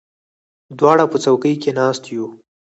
دواړه په څوکۍ کې ناست یو.